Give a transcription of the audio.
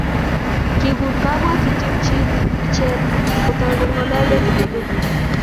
Kikur kabwatutikchi icheget kotoi kongolyo tugul